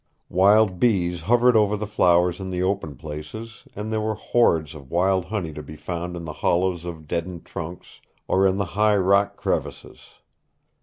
Wild bees hovered over the flowers in the open places and there were hoards of wild honey to be found in the hollows of deadened trunks or in the high rock crevices.